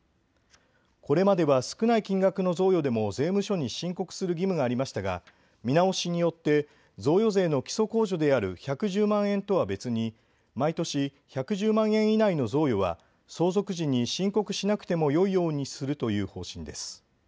これまでは少ない金額の贈与でも税務署に申告する義務がありましたが見直しによって贈与税の基礎控除である１１０万円とは別に毎年１１０万円以内の贈与は相続時に申告しなくてもよいようにするという方針です。